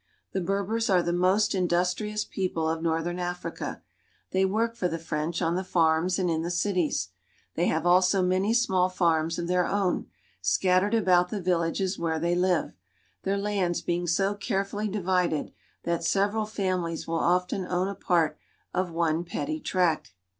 The Berbers are the most industrious people of northern Africa. They work for the French on the farms and in the cities. They have also many small farms of their own, scattered about the villages where they live, their lands being so carefully divided that several families will often own a part of one petty tract.